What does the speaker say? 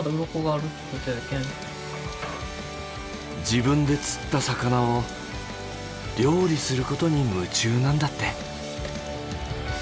自分で釣った魚を料理することに夢中なんだって。